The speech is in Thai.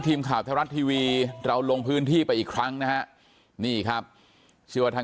ทีมข่าวธรรมดาทีวีเราลงพื้นที่ไปอีกครั้งนะนี่ครับชีวธรรม